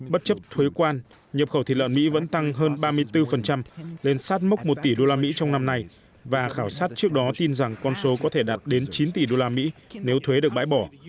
bất chấp thuế quan nhập khẩu thịt lợn mỹ vẫn tăng hơn ba mươi bốn lên sát mốc một tỷ đô la mỹ trong năm này và khảo sát trước đó tin rằng con số có thể đạt đến chín tỷ đô la mỹ nếu thuế được bãi bỏ